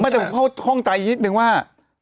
แต่ข้องใจอีกนิดนึงว่า